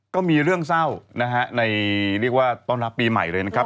ก็มีเรื่องเศร้าในตอนรับปีใหม่นะครับ